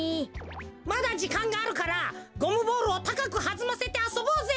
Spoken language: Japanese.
まだじかんがあるからゴムボールをたかくはずませてあそぼうぜ！